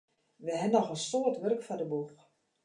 Wy hawwe noch in soad wurk foar de boech.